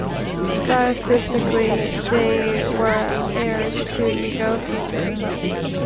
Stylistically, they were heirs to Ego-Futurism.